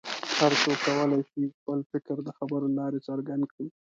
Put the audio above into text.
هر څوک کولی شي چې خپل فکر د خبرو له لارې څرګند کړي.